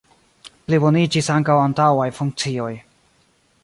Pliboniĝis ankaŭ antaŭaj funkcioj.